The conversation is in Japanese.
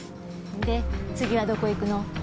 で次はどこ行くの？